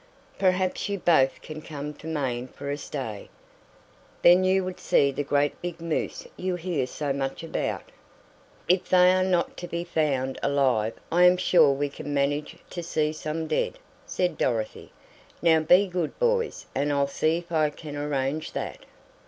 "Perhaps you both can come to Maine for a stay. Then you would see the great big moose you hear so much about. If they are not to be found alive I am sure we could manage to see some dead," said Dorothy. "Now be good boys, and I'll see if I can arrange that."